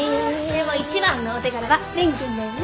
でも一番のお手柄は蓮くんだよね？